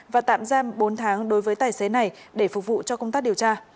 và tạm giam bốn tháng đối với tài xế này để phục vụ cho công tác điều tra